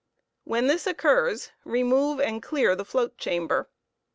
When this occurs, remove and clear the Hoat chamber.